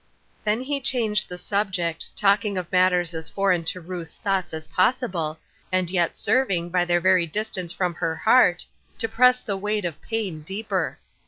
Then he changed the subject, talking of matters as foreign to Ruth's thoughts as possible, and yet serving, by their very distance from her heart, to press the weight of pain deeper.